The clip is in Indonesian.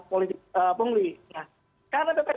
politik pengelih nah karena